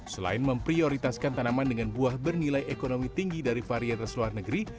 selain memprioritaskan tanaman dengan buah bernilai ekonomi tinggi dari varietas luar negeri